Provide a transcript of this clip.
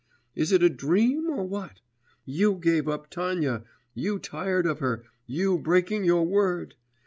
is it a dream or what? You give up Tanya, you tired of her, you breaking your word!